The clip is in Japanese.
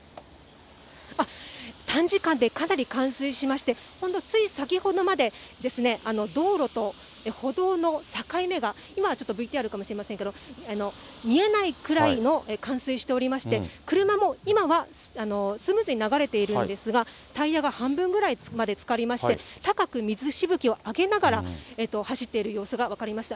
短時間で、かなり冠水しまして、本当、つい先ほどまでですね、道路と歩道の境目が、今はちょっとＶＴＲかもしれませんけど、見えないくらいの冠水しておりまして、車も、今はスムーズに流れているんですが、タイヤが半分ぐらいまでつかりまして、高く水しぶきを上げながら走っている様子が分かりました。